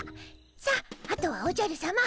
さああとはおじゃるさま。